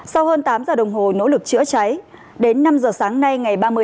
sau hơn tám giờ đồng hồ nỗ lực chữa cháy